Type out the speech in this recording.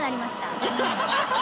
アハハハ！